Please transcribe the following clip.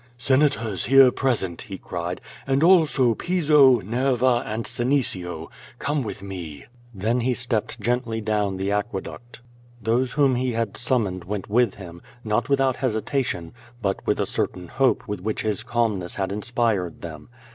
"Senators here present," he cried, "and also Piso, Ner\'a, and Scnecio, come with me." Then he stepped gently down the aquciluct. Those whom he had summoned went with him, not without hesitation, but with a certain h(»pe with which his calmness had inspire^] them.